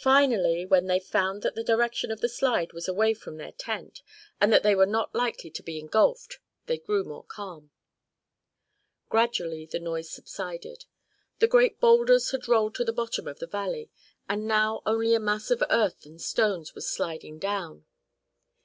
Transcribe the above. Finally, when they found that the direction of the slide was away from their tent, and that they were not likely to be engulfed, they grew more calm. Gradually the noise subsided. The great boulders had rolled to the bottom of the valley, and now only a mass of earth and stones was sliding down.